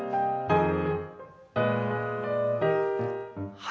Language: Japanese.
はい。